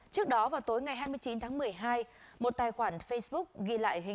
trước đó vào tối ngày hai mươi chín tháng một mươi hai một tài khoản facebook ghi lại